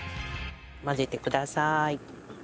混ぜてください。